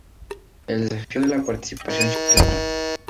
El desafío de la participación ciudadana".